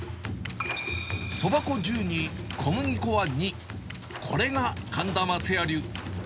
そば粉１０に小麦粉は２、これが神田まつや流。